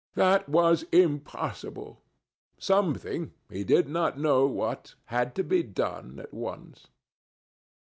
That was impossible. Something—he did not know what—had to be done at once.